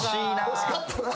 惜しかったな。